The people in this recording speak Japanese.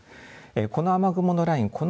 この雨雲のライン